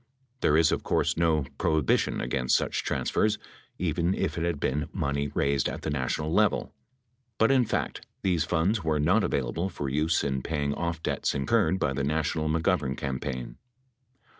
There is, of course, no prohibition against such transfers, even if it had been money raised at the national level. But in fact, these funds were not available for use in paying off debts incurred by the national McGovern campaign.